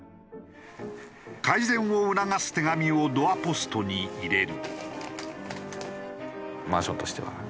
改善を促す手紙をドアポストに入れる。